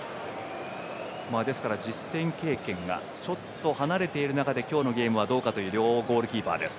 ですから、実戦経験がちょっと離れている中で今日はどうかという両ゴールキーパーです。